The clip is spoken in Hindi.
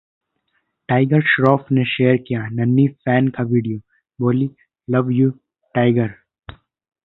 टाइगर श्रॉफ ने शेयर किया नन्ही फैन का वीडियो, बोली- Love You Tiger